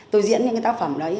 tôi diễn những cái tác phẩm đấy